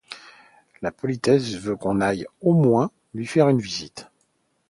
La politesse veut qu’on aille, au moins, lui faire une visite